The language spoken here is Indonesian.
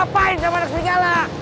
tapi gue ga menemukan lo